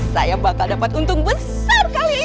saya bakal dapat untung besar kali